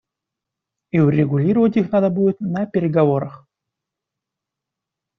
И урегулировать их надо будет на переговорах.